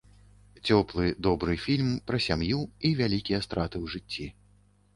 Цёплы, добры фільм пра сям'ю і вялікія страты ў жыцці.